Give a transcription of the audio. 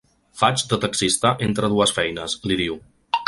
Faig de taxista entre dues feines, li diu.